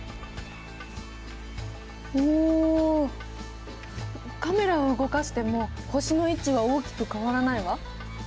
おカメラを動かしても星の位置は大きく変わらないわ。